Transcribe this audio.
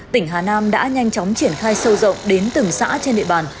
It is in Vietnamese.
tỉnh hà nam đã nhanh chóng triển khai sâu rộng đến từng xã trên địa bàn